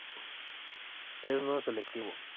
Es no selectivo.